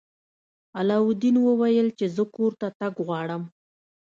علاوالدین وویل چې زه کور ته تګ غواړم.